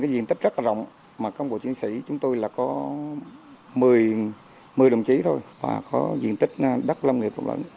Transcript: xã kromna có diện tích hơn một mươi đồng chí có diện tích đắk lâm nghiệp rộng lẫn